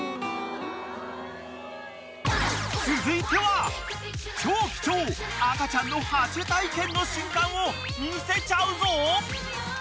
［続いては超貴重赤ちゃんのはちゅ体験の瞬間を見せちゃうぞ］